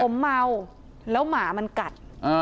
ผมเมาแล้วหมามันกัด